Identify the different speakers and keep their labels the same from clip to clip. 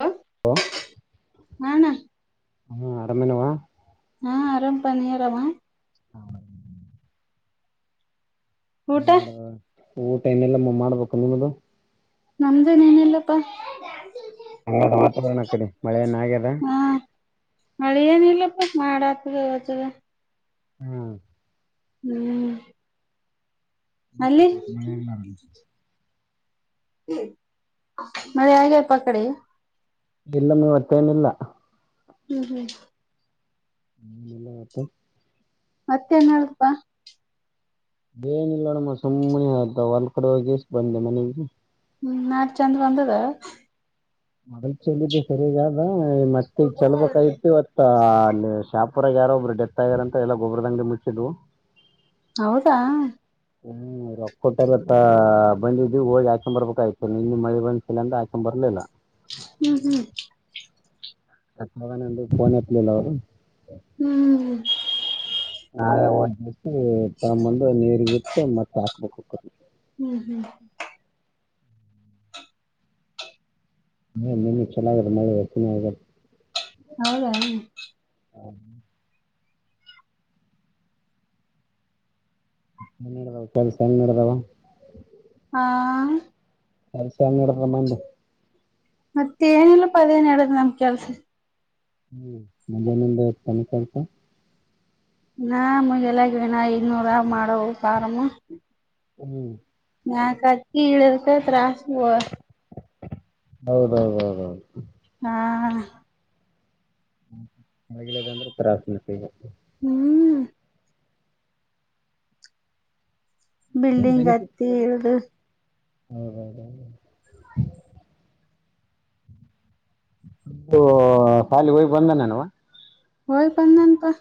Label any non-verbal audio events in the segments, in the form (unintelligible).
Speaker 1: ಹಾ
Speaker 2: ಹಲೋ
Speaker 1: ಅಣ್ಣ
Speaker 2: ಹ್ಮ ಆರಾಮೇನವಾ
Speaker 1: ಹಾ ಆರಾಮ್ ಪ ನೀ ಆರಾಮ
Speaker 2: ಹೌ (inaudible)
Speaker 1: ಊಟ
Speaker 2: ಹೇಳವ್ವ ಊಟ ಇನ್ನ ಇಲ್ಲ ಮಾಡ್ಬೇಕು ನಿಮ್ಮದು
Speaker 1: ನಮ್ದೇನ್ ಏನಿಲ್ಲಪ್ಪಾ
Speaker 2: ಹೆಂಗಾದ ವಾತಾವರಣ ಆ ಕಡೆ ಮಳೆ ಏನ್ ಆಗ್ಯದ
Speaker 1: ಮಳೆ ಏನಿಲ್ಲಪ್ಪ ಮಾಡ ಆತದ ಹೊಯ್ತಾದ
Speaker 2: ಹಾ
Speaker 1: ಹ್ಮ್ ಅಲ್ಲಿ
Speaker 2: ಮಳೆ ಇಲ್ಲ
Speaker 1: ಮಳೆ ಹೆಗಪ್ಪ ಅ ಕಡೆ
Speaker 2: ಇಲ್ಲಮ್ಮ ಇವತ್ತೇನಿಲ್ಲ
Speaker 1: ಹ್ಮ್ ಹ್ಮ್
Speaker 2: ಹ್ಮ್ ಮಲ್ಲ ಅ (unintelligible)
Speaker 1: ಮತ್ತೆ ನ್ ಹೇಳಪ್ಪ
Speaker 2: ಬೇ ನಿಲ್ಲೋಣಮ್ಮ ಸುಮ್ಮನೆ ಆಯತ ಹೊಲ್ ಕಡೆ ಎಷ್ಟ ಬಂದೆ ಮನೆಗೆ
Speaker 1: ಹ್ಮ್ (inaudible) ಚೆಂದ ಬಂದಿದೆ
Speaker 2: ಮೊದ ಚಲಿದ್ದ ಸರಿಗಾದ ಮತ್ತೆ ಚೆಲ್ಬೇಕಾಗಿತ್ತುವತ್ತ ಆ ಅಲ್ಲಿ ಶಾಪುರಾಗ ಯಾರೊಬ್ರು ಡೆಷಳತ್ ಆಗ್ಯಾರಂತ ಎಲ್ಲ ಗೊಬ್ಬರದಂಗ್ಗೆ ಮುಚ್ಚಿದ್ವು.
Speaker 1: ಹೌದಾ
Speaker 2: ಹ್ಮ್ ಕೊಟ್ಟರತ್ತ ಬಂದಿದ್ದವಿ ಹೋಗಿ ಹಾಕೊಂಡ್ ಬರ್ಬೇಕ ಆ್ತು ನಿನ್ನ ಮಳೆ ಬಂದ್ಸಿಲ್ಲ ಅಂತ ಹಾಕೊಂಡ್ ಬರ್ಲಿಲ್ಲ
Speaker 1: ಹ್ಮ್ ಹ್ಮ್
Speaker 2: ಅ ನಂದು ಫೋನ್ ಎತ್ತಲಿಲ್ಲ ಅವರು.
Speaker 1: ಹ್ಮ್
Speaker 2: (inaudible) ನಮ್ಮಂದು ನೀರಿಗೆ ಬಿಟ್ಟ ಮತ್ತೆ ಹಾಕಬೇಕ.
Speaker 1: ಹ್ಮ್ ಹ್ಮ್
Speaker 2: ಹ್ಮ ನಿನ್ನ ಚನ್ನಾಗಲ್ಲ ಮಳೆ ಚ ಆ
Speaker 1: ಹೌದ
Speaker 2: ಹೌ (inaudible) ದಾವ ಸರಿ ಸಣ್ಣ ಇದಾವ
Speaker 1: ಹಾ
Speaker 2: ಕೆಲಸ ಹೆಂನ್ನಡಮ
Speaker 1: ಮತ್ತೇಏನಿಲ್ಲಪ್ಪ ಅದೇನ ಹೇಳದು ನಮ ಕೆಲ್ಸ,
Speaker 2: ಹ್ಮ್ ಮಂಜದನಿಂದ ತನ ಕಳ್ತ
Speaker 1: ನಾ ಮುಗಲ್ಲಾಗಿನ ಐದ್ನೂರ ಮಾಡವ ಆರಾಮ
Speaker 2: ಹ್ಮ್
Speaker 1: ನಕಕಿ ಇಳಕ ತತ್ರಾಸ ಹ
Speaker 2: ಹೌದೌದೌದೌದು
Speaker 1: ಹಾ
Speaker 2: ಹಾಗಂದ್ರೆ ತಾಸನ
Speaker 1: ಹ್ಮ್ ಬಿಲ್ಡಿಂಗ್ ಹತ್ತ ಇಳ್ದ
Speaker 2: (unintelligible) ಸಾಲಿ ಹೋಗ್ ಬಂದಾನನವ?
Speaker 1: ಹಯ್ ಬಂದಾನಪ್ಪಾ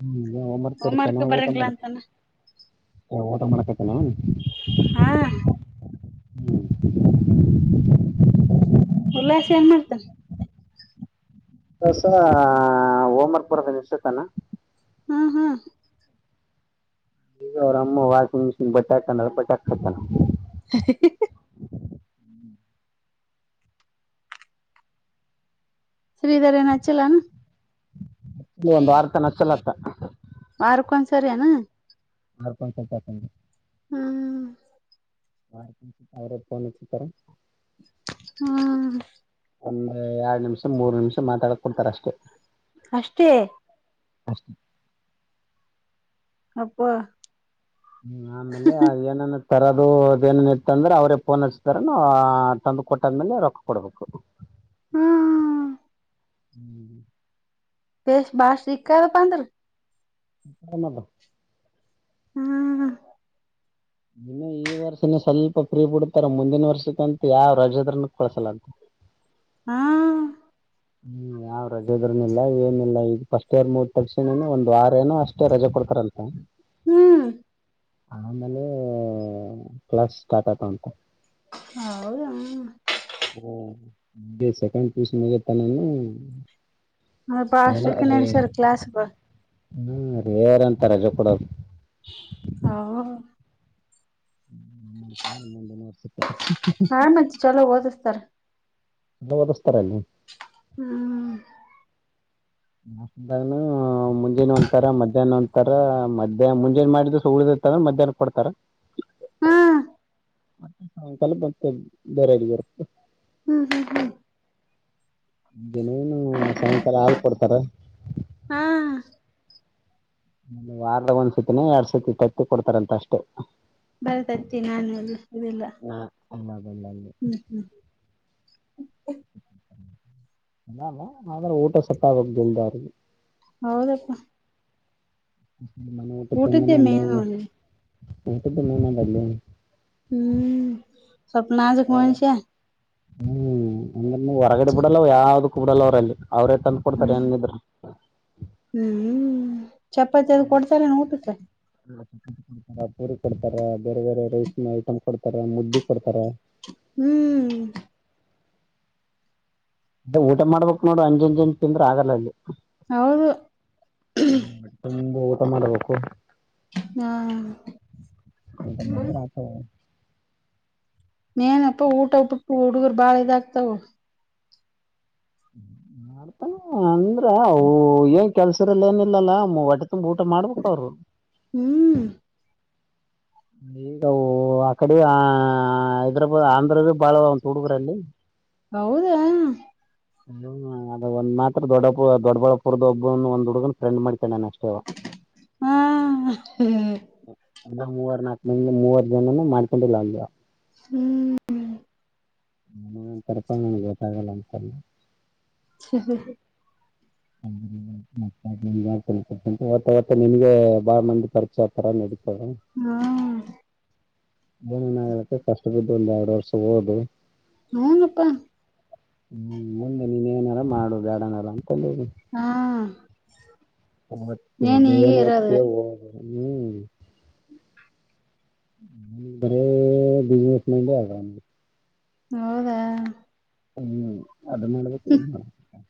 Speaker 2: ಹ್ಮ್ ಮಾಡತತನಾ ಊಟ ಮಾಡ
Speaker 1: ಅಂತಾನ
Speaker 2: ಊಟ ಮಾಡಕತನ?
Speaker 1: ಹಾ
Speaker 2: ಹ್ಮ್
Speaker 1: ಉಲ್ಲಾಸ ಏನ್ ಮಾಡ್ತನ?
Speaker 2: ಸ ಹೋಮವರ್ಕ್ ಬರದ ಇಷ್ಟತನಾ
Speaker 1: ಹ್ಮ್ ಹ್ಮ್
Speaker 2: ಈಗ ಅವ್ರ ಅಮ್ಮ ವಾಷಿಂಗ್ ಮಿಷಿನ್ ಬಟಾಕನ ಬಟಾಕ್ ಹತಾನ
Speaker 1: (unintelligible) ಶ್ರೀಧರನ ಹಚಲಾನ
Speaker 2: ಇಲ್ಲಿ ಒಂದ್ ವಾರ ತನ ಹಚ್ಚಲತ್ತ
Speaker 1: ವರರ್ಕ್ಕೊಂದ ಸರಿ ನ
Speaker 2: (unintelligible)
Speaker 1: ಹ್ಮ್
Speaker 2: ಹಾಕ ಅವರಫೋನ್ ತರ
Speaker 1: ಹ್ಮ
Speaker 2: ಒಂದ ಎರಡ್ ನಿಮಿಷ ಮೂರ್ ನಿಮಿಷ ಮಾತಾಡಕ್ ಕೊಡ್ತಾರ ಅಷ್ಟೇ
Speaker 1: ಅಷ್ಟೇ?
Speaker 2: ಹ
Speaker 1: ಅಪ್ಪ
Speaker 2: ಹ್ಮ್ ಆಮೇಲೆ ಏನನ್ ತರದದು ಅದೇನನ್ ಇತ್ತ ಅಂದ್ರೆ ಅವ್ರೇ ಫೋನ್ ಹಸತಾರ ತಂದು ಕೊಟ್ಟಾದ್ಮೇಲೆ ರೊಕ್ಕ ಕೊಡ್ಬೇಕು
Speaker 1: ಹ್ಮ್ ಹ್ಮ್
Speaker 2: ಹ್ಮ್
Speaker 1: ಬ ಬಾಳ್ ಸಿಕ್ಕ ಬಾಂದ್ರ
Speaker 2: ಮಾಡದು
Speaker 1: ಹ್ಮ್
Speaker 2: ಇನ್ನು ಈ ವರ್ಷನ ಸ್ವಲ್ಪ ಫ್ರೀ ಬಿಡ್ತಾರ ಮುಂದಿನ ವರ್ಷಕ್ಕಂತ ಯಾವ್ ರಜದ್ರನ ಕಳ್ಸಲಂತ ಹ
Speaker 1: ಹಾ
Speaker 2: ಹ್ಮ್ ನಾವ್ ರಜೆ ಇದ್ರನ ಇಲ್ಲ ಏನಿಲ್ಲ ಈಗ ಫಸ್ಟ್ ಇಯರ್ ಮೂದ ತರ್ಸಣನು ಒಂದ ವಾರಏನನು ಅಷ್ಟೇ ರಜೆ ಕೊಡ್ತಾರಂತೆ
Speaker 1: ಹ್ಮ್
Speaker 2: ಆಮೇಲೆ ಕ್ಲಾಸ್ ಸ್ಟಾರ್ಟ್ ಆತವಂತ
Speaker 1: ಹೌದ
Speaker 2: ಓ ಸೆಕ ಪಗತಾನ
Speaker 1: ಹ ಪಾಸ್ನನು ಚಿರ್ಕ್ಲಾಸ್ಪ
Speaker 2: ಹ್ಮ್ ರೇರ್ಂತ ರಜೆ ಕೂಡದು
Speaker 1: ಹೌ
Speaker 2: ಮುಂದಿನ ವರ್ಷಕ್ಕೆ
Speaker 1: ಹಾ ಮತ್ತ ಚಲೋ ಓದತಾರ
Speaker 2: ನ ಓದಸ್ತಾರಲ್ಲ
Speaker 1: ಹ್ಮ್
Speaker 2: ನಾ ಮುಂಜಾನ ಒಂತರ ಮಧ್ಯಾಹ್ನ ಒಂತರ ಮಧ್ಯಾಹ್ ಮುಂಜಾನನ್ ಮಾಡಿದ್ ಸು ಉಳ್ದ ಇಂದ್ರ ಮಧ್ಯಾಹ್ನ ಕೊಡ್ತಾರ
Speaker 1: ಹಾ
Speaker 2: ಮತ್ತ ಸಾಯಂಕಾಲ ಮತ್ತೆ ಬೇರೆಡಿಗೆರು
Speaker 1: ಹ್ಮ್ ಹ್ಮ್ ಹ್ಮ್
Speaker 2: ನ ನು ಸಾಯಂಕಾಲ ಹಾಲ್ ಕೊಡ್ತಾರ
Speaker 1: ಹಾ
Speaker 2: ಒ ವಾರದ ಒಂದ್ ಸತಿನ ಎರಡ್ ಸತಿ ತತ್ತಿ ಕೊಡ್ತಾರಂತ ಅಷ್ಟೇ
Speaker 1: ಬರ್ತತಿ ನಾನು ಇಲ್ಲ ಇದೆಿಲ್ಲ
Speaker 2: ಅಲ್ಲಲ್ಲ ಅಲ್ಲ ಬೆಲ್ಲ ಅಲ್ಲಿ
Speaker 1: ಹ್ಮ್ ಹ್ಮ್
Speaker 2: ಅಲ್ಲ ಆದ್ರೆ ಊಟ ಸಪಾಗೋಗದಲ್ದಗ
Speaker 1: ಹೌದಪ್ಪ
Speaker 2: ನಿಮ್ಮ ಊಟ ತಿಿಂದನೆ ಅಲ್ಲ
Speaker 1: ಮೇನ್ ನೋಡ್ರಿ
Speaker 2: ಊಟ ತಿಿಂದಲ್ಲ
Speaker 1: ಹ್ಮ್ ಸಪ್ನಾ ಜ ಗುಮಸ
Speaker 2: ಹ್ಮ್ ಅಂದ್ರ ಹೊರಗಡೆ ಬಿಡಲ್ಲವ ಯಾವ್ದಕ್ ಬಿಡಲ್ಲ ಅವ್ರಲ್ಲಿ ಅವ್ರೇ ತಂದ ಕೊಡ್ತಾರೆ
Speaker 1: ಹ್ಮ್
Speaker 2: ಏನಿದ್ರ
Speaker 1: ಹ್ಮ್ ಚಪಾತಿ ಅ ಕೊಡ್ತಾರೆ ನ ತ ಸ
Speaker 2: ಕೊಡ್ತಾರ ಪೂರಿ ಕೊಡ್ತಾರ ಬೇರೆ ಬೇರೆ ರೈಸ್ ಐಟಮ್ ಕೊಡ್ತಾರ ಮುದ್ದಿ ಕೊಡ್ತಾರ
Speaker 1: ಹ್ಮ್
Speaker 2: ಅ ಊಟ ಮಾಡ್ಬೇಕಕ್ ನೋಡು ಅಂಜಂಜ ಜನ್ ತಿಂದ್ರರು ಆಗಲ್ಲ ಅಲ್ಲಿ
Speaker 1: ಅವರು
Speaker 2: ಪ್ಪ ಮಾಡಬೇಕು
Speaker 1: ಹ
Speaker 2: ಎಂತ ಮಾಡಿದ್ರೆ ಆತ
Speaker 1: ಏನಪ್ಪಾ ಊಟ ಬಿಟ್ಟು ಹುಡುಗರ್ ಬಾಳ ಇದಾಗ್ತಾವ
Speaker 2: ಮಾಡ್ತಾನ ಅಂದ್ರ ಅವು ಏನ್ ಕೆಲ್ಸರಲ್ಲ ಏನಿಲ್ಲಲ್ಲ ಒಟ್ಟ ತುಂಬ ಊಟ ಮಾಡ್ಬೇಕ ಅವರು
Speaker 1: ಹ್ಮ್
Speaker 2: ಈಗ ಆ ಕಡೆ ಆ ಹೈದ್ರಾಬಾದ್ ಆಂಧ್ರದ ಬಾಳ ಒಂದು ಹುಡುಗರಲ್ಲಿ
Speaker 1: ಹೌದಾ
Speaker 2: ಅ ಒಂದ ಮಾತ್ರ ದೊಡ್ಡ ದೊಡ್ಡಬಾ ಪುರದ ಒಬ್ಬ ಒಂದ್ ಹುಡ್ಗನ್ ಫ್ರೆಂಡ್ ಮಾಡ್ ಎ ನಷ್ಟ
Speaker 1: ಹಾ
Speaker 2: ಅ ಮೂವರ್ ನಾಲ್ಕು ಮಿಂದ ಮೂವರ್ ಜನನು ಮಾಡ್ಕೊಂಡಿಲ್ಲ ಅಲ್
Speaker 1: ಹ್ಮ್
Speaker 2: ಕರ್ಕೋ ಬಂದೆ ಲೇಟ್ ಆಗಲ್ಲ ಅಂತ
Speaker 1: ಹ ಹಾ ಹ
Speaker 2: ಹ ಅವತ್ತ ನಿಮಗೆ ಬಾಳ ಮಂದಿ ಪರಿಚಯ ತರ ನಡೀ
Speaker 1: ಹ್ಮ
Speaker 2: ನ್ ನ ಆಗಲತ್ತ ಕಷ್ಟದ್ದು ಒಂದು ಎರಡು ವರ್ಷ ಹೋದು
Speaker 1: ಹಾ ಅಪ್ಪಾ
Speaker 2: ಹ್ಮ್ ಮುಂದೆ ನೀನ್ ಏನಾರ ಮಾಡು ಬೇಡನಾರ ಅಂತಂದಿ
Speaker 1: ಹಾ
Speaker 2: ಮತ್ತೆ
Speaker 1: ಏನ್ ಹೀಗೆ
Speaker 2: ಬೇನು
Speaker 1: ಇರೋದು
Speaker 2: ಹೊತ್ತೆ ಹ್ಮ್ ಬರ ಬಿಜನೆಸ್ ಮೈಗ
Speaker 1: ಹೌದಾ
Speaker 2: ಹ್ಮ್ ಅದ ನೊಡೋಬೇಕ ಇದುನೋಡಬೇಕ್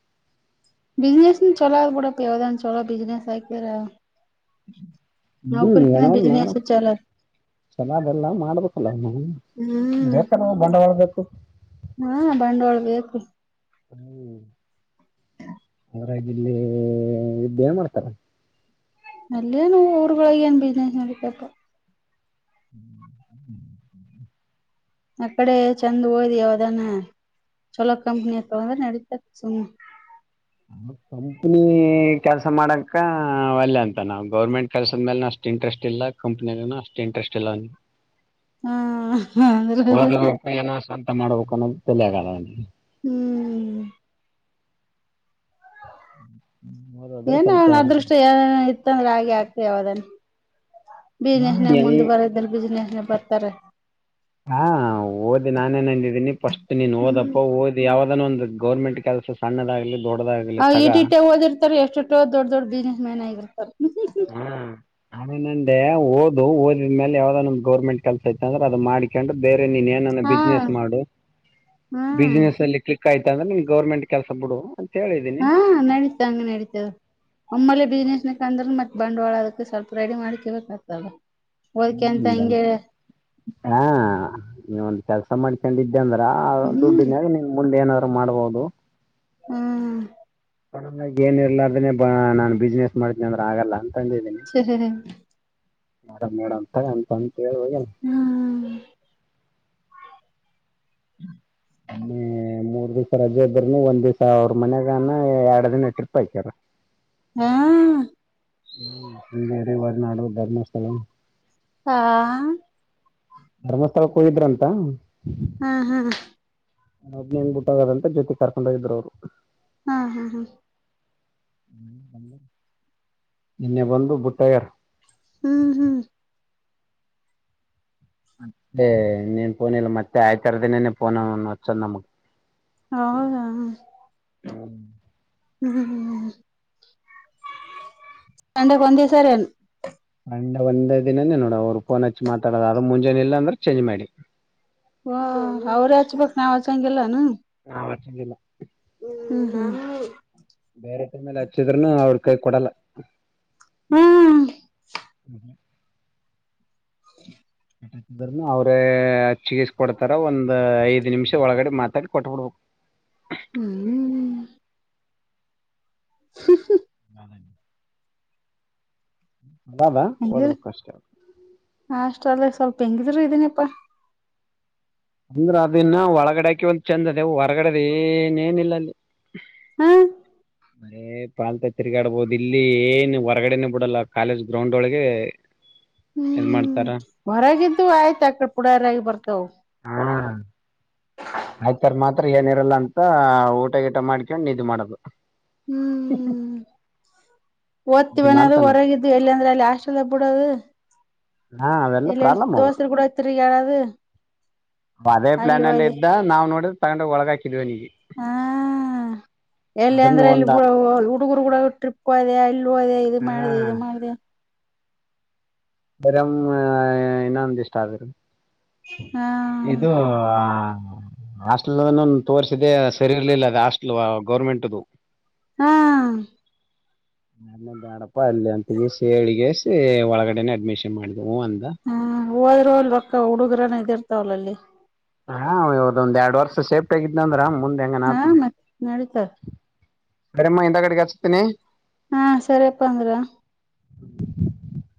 Speaker 1: ಬಿಸಿನನೆಸ್ ನೂ ಚಲೋ ಆದ ಬುಡಪ್ಪ ಯಾವ್ದ ಚಲೋ ಬಿಸಿನನೆಸ್ ಆರಿದ್ರ
Speaker 2: ಹ್ಮ್ ಏನನ ಮಾಡಮ
Speaker 1: ಬಿಸ್ನೆಸ್ ಚಲೋ
Speaker 2: ಚಲೋದೆಲ್ಲ ಮಾಡಬೇಕು
Speaker 1: ಹ್ಮ್
Speaker 2: ಬಂಡವಾಳ ಬೇಕು
Speaker 1: ಹಾ ಬಂಡವಾಳ ಬೇಕು
Speaker 2: ಹ ಅದರಾಗಿಲ್ಲಿ ಇದ್ದ ಏನ್ ಮಾಡ್ತಾರ
Speaker 1: ಅಲ್ಲೆನ ಊರುಗಳ ನ್ ಬಿಸಿನನೆಸ್ ನಡಿತದಪ್ಪ
Speaker 2: ಹ್ಮ
Speaker 1: ಆ ಕಡೆ ಚೆಂದ್ ಓದಿ ಯಾವದಾನ ಚೊಲೋ ಕಂಪನಿಯ ತೊಗಂಡ್ರ ನ ಡಿತಾದ ಸುಮ್ಮನೆ
Speaker 2: ಕಂಪನಿ ಕೆಲ್ಸ ಮಾಡಕ ಒಲ್ಲೆ ಅಂತ ನಾವವು ಗೌರ್ಮೆಂಟ್ ಕೆಲ್ಸದ ಮೇಲೆ ನೆ ಅಷ್ಟ ಅಷ್ಟ ಇಂಟ್ರೆಸ್ಟ್ ಇಲ್ಲ ಕಂಪ್ನಿ ಅಷ್ಟ ಇಂಟ್ರೆಸ್ಟ್ ಇಲ್ಲ ಅವನಿಗೆ
Speaker 1: ಹಾ ಅಂದ್ರ
Speaker 2: ಓದಬೇಕ ಏನ ಸ್ವಂತ ಮಾಡ್ಬೇಕು ಅನ್ನೋದು ತೆಲೆಗಾದ ಅವ್ನಿಗೆ
Speaker 1: ಹ್ಮ್
Speaker 2: ಓದೋದು
Speaker 1: ಏನ
Speaker 2: ಸ್ವಲ್ಪ
Speaker 1: ಅವನ್ ಅದೃಷ್ಟ ಇತ್ತಂದ್ರೆ ಹಾಗಗೆ ಆಗ್ತ ಯಾವದನ್ ಬಿಜ್ನೆಹನೆ
Speaker 2: ಹೆಂಗ್
Speaker 1: ಮುಂದುವರೆದ್ದ್ರ ಬಜ್ನೇಸ್ನೆ ಬರ್ತಾರೆ
Speaker 2: ಹಾ ಓದಿ ನಾ ನಾನೆನ್ ದ್ದೀನಿ ಫಸ್ಟ್ ನೀನ್ ಓದಪ್ಪ
Speaker 1: ಹ್ಮ್
Speaker 2: ಓದ್ ಯಾವ್ದಾದಾನ ಒಂದು ಗೌರ್ಮೆಂಟ್ ಕೆಲಸ ಸಣ್ಣದಾಗ್ಲಿ.
Speaker 1: ಆ ಇಟ್ ಇಟ್ಟ ಓದಿರ್ತಾರೆ ಎಷ್ಟುಟ್ಟ ದೊಡ್ಡ ದೊಡ್ ಬಿಸ್ನೆಸ್ ಮ್ಯಾನ್ ಆಗಿರ್ತಾರ
Speaker 2: ನಾನೆಂದ ಓದು ಓದಿದ ಮೇಲೆ ಯಾವ್ದ ನಮ ಗೌರ್ಮೆಂಟ್ ಕೆಲಸ ಇತಂದ್ರ ಅದು ಮಾಡಿ ಕೆಂಡು ಬೇರೆ ನೀನ್ ಏನ
Speaker 1: ಹಾ
Speaker 2: ಬಿಸ್ನನೆಸ್ ಮಾಡು
Speaker 1: ಹ್ಮ್
Speaker 2: ಬಿಸ್ನಸ್ ಅಲ್ಲಿ ಕ ಆಯ್ತ ತಂದ್ರ ನಿ ಗೌರ್ಮೆಂಟ್ ಕೆಲಸ ಬಿಡು. ಹೇಳಿದೀನಿ
Speaker 1: ಹಾ ನಡೀತ ಹಂಗ ನಡೀತದ ಒಮ್ಮಳೆ ಬಿಸ್ನೆಸ್ ನ ಅಂದ್ರ ಮತ್ತೆ ಬಂಡವಾಳದಕ್ಕೆ ಸ್ವಲ್ಪ ರೈಡಿ ಮಾಡಕ ಪತಲ್ಲ
Speaker 2: ಹ್ಮ್ ಬ ಹಾ ನೀ ಒಂದು ಕೆಲಸ ಮಾಡಕೊಂಡಿದ್ದಿ ಡ್ಂದ್ರ ಆ
Speaker 1: ಹ್ಮ್
Speaker 2: ದುಡ್ಡಿನಾಗ ನಿನ್ ಮುಂದೆ ಏನಾದ್ರು ಮಾಡ್ಬಹದು
Speaker 1: ಹ್ಮ್
Speaker 2: ಏನ್ ಇರ್ಲಾರ್ದನೆ ಬಾ ನಾನ್ ಬಿಸ್ನೆಸ್ ಮಾಡ್ತನಿ ಅಂದ್ರೆ ಆಗಲ್ಲ
Speaker 1: ಚ ಹಾಹಾ
Speaker 2: ಮಾಡಮ ನೋಡಮ ತೊಗೊ ಅಂತನ್
Speaker 1: ಹ್ಮ
Speaker 2: ಮ ಮೂರ್ ದಿವಸ ರಜೆ ಇದ್ದರೇನು ಒಂದ್ ದಿವಸ್ ಅವ್ರ ಮನ್ಯಗಾನ ಎರಡು ದಿನ ಟ್ರಿಪ್ ಆಕ್ಯಾನ್
Speaker 1: ಹ್ಮ
Speaker 2: ಹ್ಮ ಶೃಂಗೇರಿ ವರನಾಡು ಧರ್ಮಸ್ಥಳ
Speaker 1: ಹಾ
Speaker 2: ಧರ್ಮಸ್ಥಳಕ್ಕೆ ಹೋಗಿದ್ರಂತ
Speaker 1: ಹ್ಮ ಹಾ
Speaker 2: ಹದನೇಂಗ್ ಬಿಟ್ಟದಂತ ಜೊತೆ ಕರ್ಕೊಂಡ್ ಹೋಗಿದ್ರು ಅವ್ರು
Speaker 1: ಹಾ ಹಾ ಹಾ
Speaker 2: ನಿನ್ನೆ ಬಂದು ಬುಟ್ಟ ಹೊಗ್ಯಾರ
Speaker 1: ಹ್ಮ್ ಹ್ಮ್
Speaker 2: ಮತ್ತೆ ನೀನ್ ಪೋನ್ ಇಲ್ಲ ಮತ್ತೆ ಆಯ್ತರದಿನೇನೆ ಪಫೋನ್ಚ್ಚಂದ ನಮ್ಮ ಗ್
Speaker 1: ಹೌದಾ
Speaker 2: ಹ್ಮ್
Speaker 1: ಹ್ಮ್ ಹ್ಮ್ ಸಂಡೆಗೆ ಒಂದೆಸಾರಿನ
Speaker 2: ಸಂಡೇ ಒಂದೇ ದಿನಾನೇ ನೋಡ ಅವ್ರು ಫೋನ್ ಹಚ್ಚಿ ಮಾತಾಡೋದು ಅದು ಮುಂಜಾನೆ ಇಲ್ಲ ಅಂದ್ರೆ ಚೇಂಜ್ ಮಾಡಿ
Speaker 1: ಹಾ ಅವ್ರ ಹಚ್ಬೇಕ್ ನಾವ್ ಆಚಂಗಿಲ್ಲೆನ
Speaker 2: ನಾವ ಹಚ್ಚಂಗಿಲ್ಲ
Speaker 1: ಹ್ಮ್ ಹ್ಮ
Speaker 2: ಬೇರೆ ಟೈ ಮೇಲೆ ಹಚ್ಚಿದ್ರುನು ಅವ್ರ ಕೈ ಕೊಡಲ್ಲ
Speaker 1: ಹ್ಮ್
Speaker 2: ಹ್ಮ
Speaker 1: ಹ
Speaker 2: ಅವ್ರೇ ಹಚಿಗೆಸ್ ಕೊಡ್ತಾರ ಒಂದ್ ಐದ್ ನಿಮಿಷ ಒಳಗಡೆ ಮಾತಾಡಿ ಕೊಟ್ಬಡ್ಬೇಕು (unintelligible)
Speaker 1: ಹ್ಮ್ ಹ
Speaker 2: (unintelligible) ಅ ಓದಬೇಕಷ್ಟೆ
Speaker 1: ಅಲ್ಲೆ ಸ್ವಲ್ಪ ಹೆಂಗಿದ್ರು ಇದೀನಪ್ಪಾ
Speaker 2: ಅಂದ್ರ ಅದನ್ನ ಒಳಗಡೆಕ ಒಂದು ಚೆಂದ ಅದವಿ ಹೊರಗಡೆದು ಏನೇಏನಿಲ್ಲ ಅಲ್ಲಿ
Speaker 1: ಹ್ಮ
Speaker 2: ಬರೇ ಪಾಲ್ತ ತಿರ್ಗಾ ಆಡ್ಬಹದು ಇಲ್ಲಿ ಏನ್ ಹೊರಗಡೆನೆೇ ಬಿಡಲ್ಲ ಕಾಲೇಜ್ ಗ್ರೌಂಡ್ ಒಳಗೆ ಇದ್
Speaker 1: ಹ್ಮ್
Speaker 2: ಮಾಡ್ತಾರ
Speaker 1: ಹೊರಗಂತು ಆಯ್ತ ಅಕಡೆ ಪುಡಾರಾಗಿ ಬರ್ತಾವ
Speaker 2: ಹಾ ಆಯ್ತಾರ್ ಮಾತ್ರ ಏನಿರಲ್ಲ ಅಂತ ಊಟ ಗೀಟ ಮಾಡ್ಕೊಂಡು ನಿಧ್ದಿ ಮಾಡೋದು
Speaker 1: ಹ್ಮ್
Speaker 2: ನಿದ್ದೆ
Speaker 1: ಓದ್ತೀವಿನದು
Speaker 2: ಮಾಡ್ತಾನಂತೆ
Speaker 1: ಹೊರಗಿದ್ದು ಎಲ್ಲ ಅಂದ್ರೆ ಅಲ್ಲಿ ಹಾಸ್ಟೆಲ್ ಬಿಡೋದು
Speaker 2: ಹಾ ಅವೆಲ್ಲ
Speaker 1: ಇಲ್ಲ
Speaker 2: ಪ್ರಾಬ್ಲಮ್ ಅವು
Speaker 1: ದೋಸ್ತರು ಕೂಡ ತರಿಗಾಡುದು
Speaker 2: ಅದೇ ಪ್ಲಾನ್ ಅಲ್ಲ ಇದ್ದ ನಾವ್ ನೋಡ್ರ ತಗೊಂಡ್ ಹೋಗಿ ಒಳಗಾ
Speaker 1: ಹ್ಮ ಎಲ್ಲಿ
Speaker 2: ಅದನ್ನ
Speaker 1: ಅಂದ್ರೆ ಇಲ್ಲಿ
Speaker 2: ಒಂದ
Speaker 1: ಹುಡುಗರು ಕೂಡ ಟ್ರಿಪ್ ಹೋದೆ ಇಲ್ಲಿ ಹೋದೆ ಇ
Speaker 2: ಹಾ
Speaker 1: ಮಾಡ್ದ ಇದ ಮಾಡಿದೆ
Speaker 2: ಬರ ಇನ್ನ ಅಂದ ಇಷ್ಟ ಆದರೀ
Speaker 1: ಹಾ
Speaker 2: ಇದುಆ ಹಾಸ್ಟೆಲ್ ತೋರ್ರಿಸಿದೆೆ ಸರಿ ಇರ್ಲಿಲ್ಲ ಅದು ಹಾಸ್ಟೆಲ್ ಗೌರ್ಮೆಂಟ್ದು
Speaker 1: ಹಾ
Speaker 2: ನ ಬೇಡಪ್ಪಾ ಅಲ್ಲಿ ಅಂತಗೆಸಿ ಹೇಳಗೆಸಿ ಒಳಗಡೆನೆ ಅಡ್ಮಿಷನ್ ಮಾಡಿದ
Speaker 1: ಹ್ಮ ಹೋದ್ರೂ ಹೊಲ್ ರೊಕ್ಕ ಹುಡುಗರನ ಇದಿ ಇರ್ತಾವಲ್ಲ ಅಲ್ಲಿ
Speaker 2: ಹಾ ಇವದೊಂದ್ ಎರಡ್ ವರ್ಷ ಶೇಫ್ಟ ಆಗಿದ್ನ ಅಂದ್ರ ಮುಂದೆ ಹೆಂಗನಾ
Speaker 1: ಹಾ
Speaker 2: ಆತದ
Speaker 1: ಮತ್ ನಡೀತಾರ
Speaker 2: ಕರೆಮ್ಮ ಹಿಂದ ಕಡೆಗೆ ಹಚ್ತೀನಿ
Speaker 1: ಹಾ ಸರಿಯಪ್ಪ ಅಂದ್ರ
Speaker 2: ಹ್ಮ